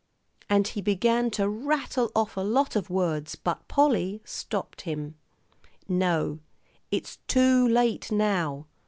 And he began to rattle off a lot of words, but Polly stopped him. "No, it's too late now.